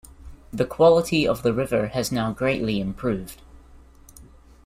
The quality of the river has now greatly improved.